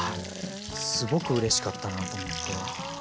すごくうれしかったなと思って。